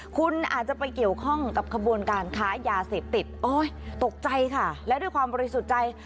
คุณอาจจะไปเกี่ยวข้องกับขบวนการค้ายาเสพติดโอ้ยตกใจค่ะและด้วยความบริสุทธิ์ใจ